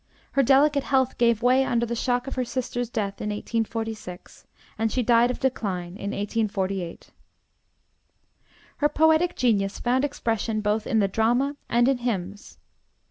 Her delicate health gave way under the shock of her sister's death in 1846, and she died of decline in 1848. Her poetic genius found expression both in the drama and in hymns.